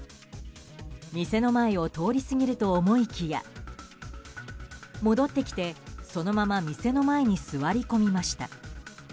店の前を通り過ぎると思いきや戻ってきて、そのまま店の前に座り込みました。